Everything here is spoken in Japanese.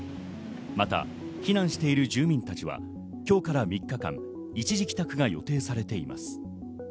また、避難している住民たちは今日から３日間、一時帰宅が予定されています。